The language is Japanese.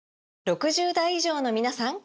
６０代以上のみなさん！